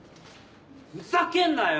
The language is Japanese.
ふざけんなよ！